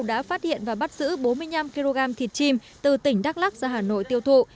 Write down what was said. đã phát hiện và bắt giữ bốn mươi năm kg thịt chim từ tỉnh đắk lắc ra hà nội tiêu thụ